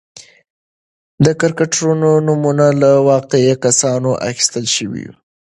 کرکټرونو نومونه له واقعي کسانو اخیستل شوي و.